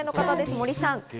森さん。